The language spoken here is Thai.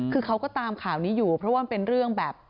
คือเขาก็ตามข่าวนี้อยู่เพราะว่ามันเป็นเรื่องแบบ